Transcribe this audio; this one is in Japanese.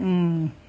うん。